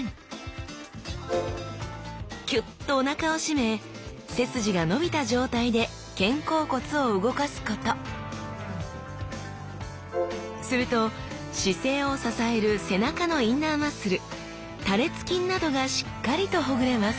キュッとおなかを締め背筋が伸びた状態で肩甲骨を動かすことすると姿勢を支える背中のインナーマッスル多裂筋などがしっかりとほぐれます